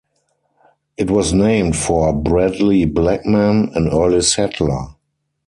It was named for Bradley Blackman, an early settler.